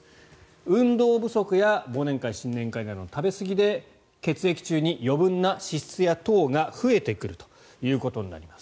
運動不足や忘年会、新年会などの食べ過ぎで血液中に余分な脂質や糖が増えてくるということになります。